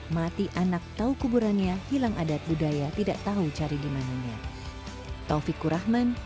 mati anak tahu kuburannya hilang adat budaya tidak tahu cari di mananya